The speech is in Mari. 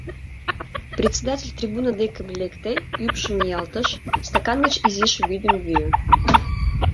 Председатель трибуна деке лекте, ӱпшым ниялтыш, стакан гыч изиш вӱдым йӱӧ.